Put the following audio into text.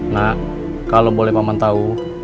nak kalau boleh paman tahu